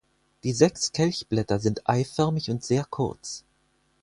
Die sechs Kelchblätter sind eiförmig und sehr kurz.